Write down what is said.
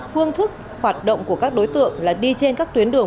phương thức hoạt động của các đối tượng là đi trên các tuyến đường